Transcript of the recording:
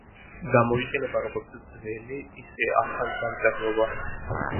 გამოიყენება როგორც ძველი, ისე ახალი დამწერლობა.